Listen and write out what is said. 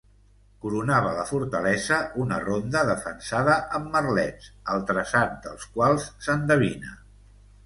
Coronava la fortalesa una ronda defensada amb merlets, el traçat dels quals s'endevina.